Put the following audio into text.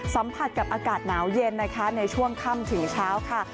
สัมผัสกับอากาศหนาวเย็นนะคะในช่วงค่ำถึงเช้าค่ะ